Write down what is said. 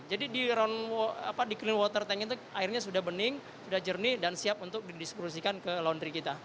jadi di clean water tank itu airnya sudah bening sudah jernih dan siap untuk didistribusikan ke laundry kita